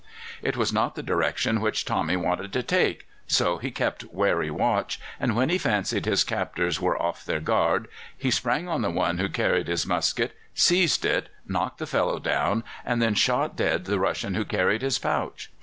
It was not the direction which Tommy wanted to take, so he kept wary watch, and when he fancied his captors were off their guard, he sprang on the one who carried his musket, seized it, knocked the fellow down, and then shot dead the Russian who carried his pouch.